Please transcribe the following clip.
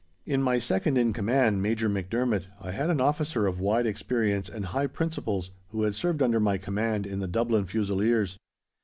In my Second in Command, Major MacDermot, I had an officer of wide experience and high principles, who had served under my command in the Dublin Fusiliers.